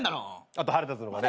あと腹立つのがね